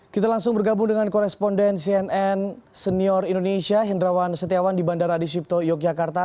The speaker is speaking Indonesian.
kita langsung bergabung dengan koresponden cnn senior indonesia hendrawan setiawan di bandara adisipto yogyakarta